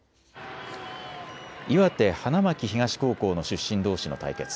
岩手、花巻東高校の出身どうしの対決。